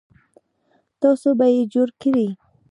تاسو به یې جوړ کړئ